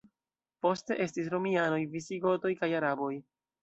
Poste estis romianoj, visigotoj kaj araboj.